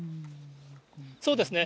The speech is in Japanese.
そうですね。